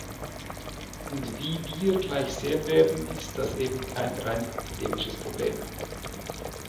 Und wie wir gleich sehen werden, ist das eben kein rein akademisches Problem.